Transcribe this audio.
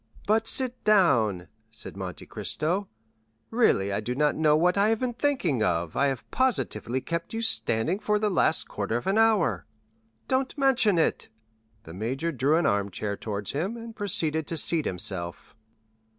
"But sit down," said Monte Cristo; "really I do not know what I have been thinking of—I have positively kept you standing for the last quarter of an hour." "Don't mention it." The major drew an armchair towards him, and proceeded to seat himself.